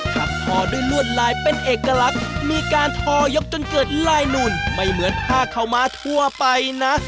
ทับทอด้วยลวดลายเป็นเอกลักษณ์มีการทอยกจนเกิดลายนูนไม่เหมือนผ้าขาวม้าทั่วไปนะ